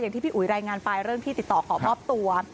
ที่พี่อุ๋ยรายงานไปเรื่องที่ติดต่อขอมอบตัว